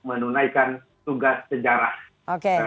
menunaikan tugas sejarah